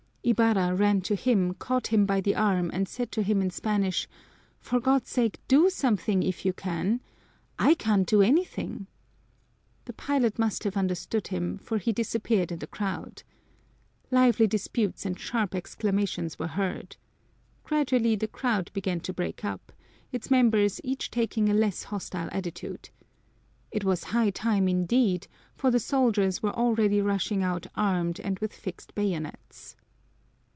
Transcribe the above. Ibarra ran to him, caught him by the arm, and said to him in Spanish: "For God's sake, do something, if you can! I can't do anything." The pilot must have understood him, for he disappeared in the crowd. Lively disputes and sharp exclamations were heard. Gradually the crowd began to break up, its members each taking a less hostile attitude. It was high time, indeed, for the soldiers were already rushing out armed and with fixed bayonets.